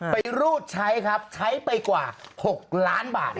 รูดใช้ครับใช้ไปกว่า๖ล้านบาท